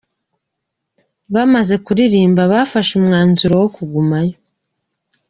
Bamaze kuririmba bafashe umwanzuro wo kugumayo.